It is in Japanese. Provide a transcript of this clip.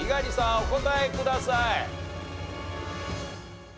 お答えください。